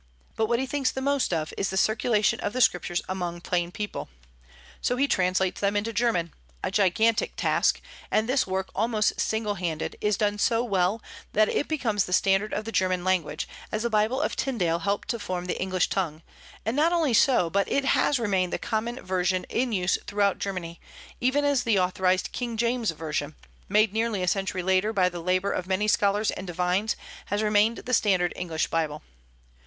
But what he thinks the most of is the circulation of the Scriptures among plain people. So he translates them into German, a gigantic task; and this work, almost single handed, is done so well that it becomes the standard of the German language, as the Bible of Tindale helped to form the English tongue; and not only so, but it has remained the common version in use throughout Germany, even as the authorized King James version, made nearly a century later by the labor of many scholars and divines, has remained the standard English Bible.